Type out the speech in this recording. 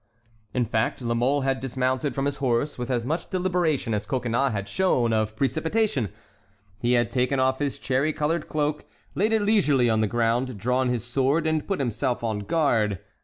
In fact, La Mole had dismounted from his horse with as much deliberation as Coconnas had shown of precipitation; he had taken off his cherry colored cloak, laid it leisurely on the ground, drawn his sword, and put himself on guard.